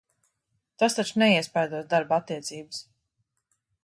Tas taču neiespaidos darba attiecības?